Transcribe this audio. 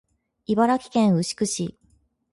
茨城県牛久市